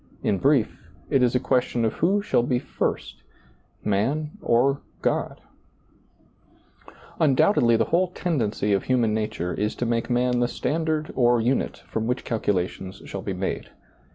In brief, it is a question of who shall be first — man or God ? Undoubtedly the whole tendency of human nature is to make man the standard or unit from which calculations shall be made.